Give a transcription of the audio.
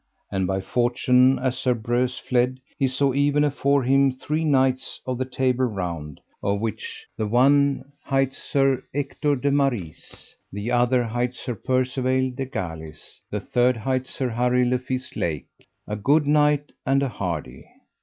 And by fortune as Sir Breuse fled, he saw even afore him three knights of the Table Round, of the which the one hight Sir Ector de Maris, the other hight Sir Percivale de Galis, the third hight Sir Harry le Fise Lake, a good knight and an hardy.